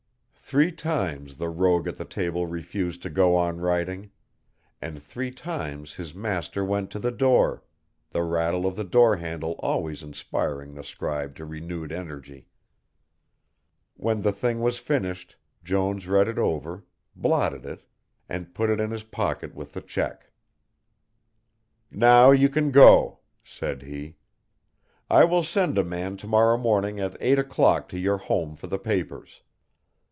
Three times the rogue at the table refused to go on writing, and three times his master went to the door, the rattle of the door handle always inspiring the scribe to renewed energy. When the thing was finished Jones read it over, blotted it, and put it in his pocket with the cheque. "Now you can go," said he. "I will send a man to morrow morning at eight o'clock to your home for the papers.